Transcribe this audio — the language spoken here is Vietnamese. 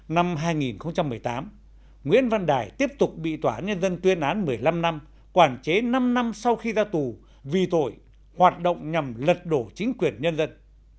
năm hai nghìn một mươi tám nguyễn văn đài tiếp tục bị tòa án nhân dân tuyên án một mươi năm năm quản chế năm năm sau khi ra tù vì tội hoạt động nhằm lật đổ chính quyền nhân dân